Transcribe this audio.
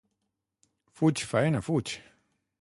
Fuig, faena, fuig!